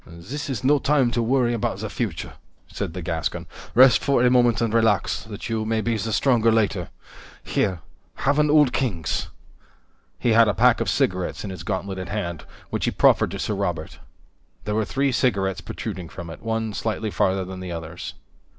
"This is no time to worry about the future," said the Gascon. "Rest for a moment and relax, that you may be the stronger later. Here have an Old Kings." He had a pack of cigarettes in his gauntleted hand, which he profferred to Sir Robert. There were three cigarettes protruding from it, one slightly farther than the others.